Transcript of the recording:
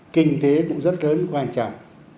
kinh tế cũng rất là tốt